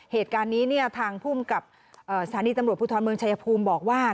เหตุการณ์นี้เนี่ยทางภูมิกับสถานีตำรวจภูทรเมืองชายภูมิบอกว่า